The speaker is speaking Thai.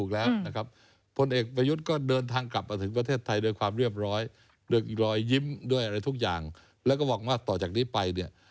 แล้วก็พูดว่าต่อจากนี้ไป